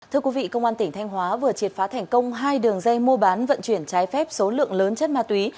thưa quý vị công an tỉnh thanh hóa vừa triệt phá thành công hai đường dây mua bán vận chuyển trái phép số lượng lớn chất ma túy